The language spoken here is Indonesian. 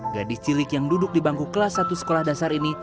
gadis cilik yang duduk di bangku kelas satu sekolah dasar ini